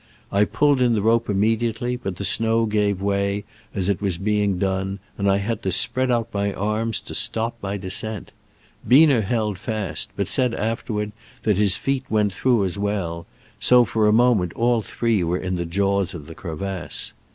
I pulled in the rope immediately, but the snow gave way as it was being done, and I had to spread out my arms to stop my descent. Biener held fast, but said afterward that his feet went through as well, so, for a moment, all three were in the jaws of the crevasse.